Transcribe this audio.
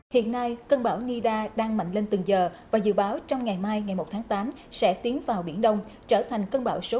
hiện nay cơn bão nida đang mạnh lên từng giờ và dự báo trong ngày mai ngày một tháng tám sẽ tiến vào biển đông trở thành cơn bão số một